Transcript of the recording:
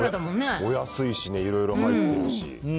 お安いしね、いろいろ入ってるし。